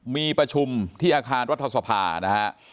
มีประชุมที่อาคารรัฐสภานะฮะ